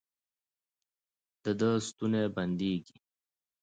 د ده ستونی بندېږي.